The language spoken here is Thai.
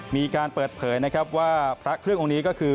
มีการเปิดเผยนะครับว่าพระเครื่ององค์นี้ก็คือ